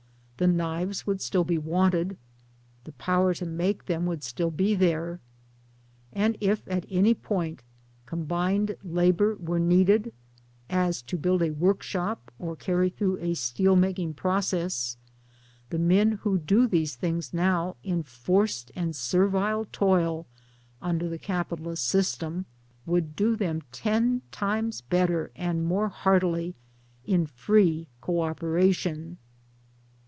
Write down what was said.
The knives would still be wanted, the power to make them would still be there. And if at any point combined labour were needed, as to build a workshop or carry, through a steel making process, the men who do these things now in forced and servile toil under the Capitalist system would do them ten times better and more heartily in free co operation.